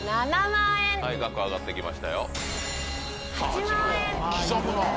額上がってきましたよ。